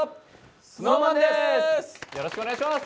よろしくお願いします。